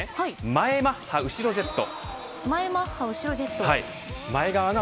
前マッハ、後ろジェット。